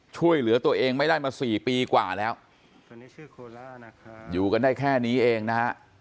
ช่วยเหลือตัวเองไม่ได้มา๔ปีกว่าแล้วอยู่กันได้แค่นี้เองนะฮะ